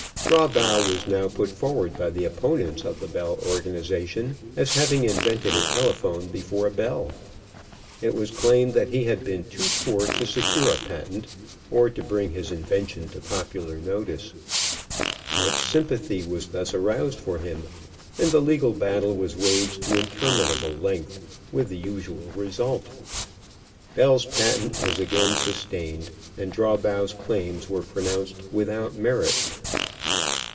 Drawbaugh was now put forward by the opponents of the Bell organization as having invented a telephone before Bell. It was claimed that he had been too poor to secure a patent or to bring his invention to popular notice. Much sympathy was thus aroused for him and the legal battle was waged to interminable length, with the usual result. Bell's patent was again sustained, and Drawbaugh's claims were pronounced without merit.